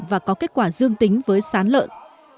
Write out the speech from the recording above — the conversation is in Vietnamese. và có kết quả dương tính với sán lợn